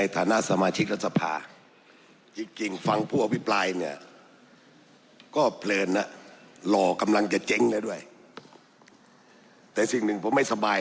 แต่สิ่งหนึ่งผมไม่สบาย